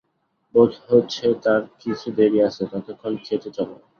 বোধ হচ্ছে তার কিছু দেরি আছে, ততক্ষণ খেতে চলো।